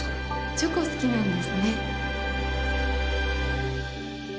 チョコ好きなんですね